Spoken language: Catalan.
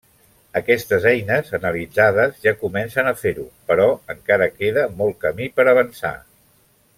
Aquestes eines analitzades ja comencen a fer-ho però encara queda molt camí per avançar.